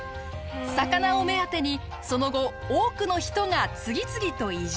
魚を目当てにその後多くの人が次々と移住。